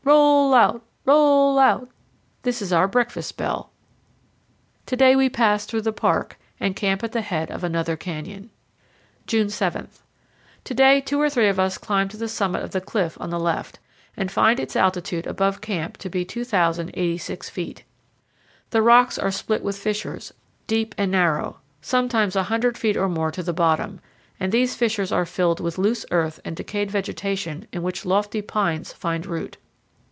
roll out! roll out!" And this is our breakfast bell. To day we pass through, the park, and camp at the head of another canyon. June 7. To day two or three of us climb to the summit of the cliff on the left, and find its altitude above camp to be 2,086 feet. The rocks are split with fissures, deep and narrow, sometimes a hundred feet or more to the bottom, and these fissures are filled with loose earth and decayed vegetation in which lofty pines find root.